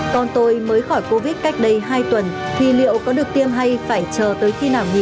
con tôi mới khỏi covid cách đây hai tuần thì liệu có được tiêm hay phải chờ tới khi nào nghỉ